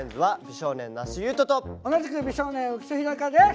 同じく美少年浮所飛貴です！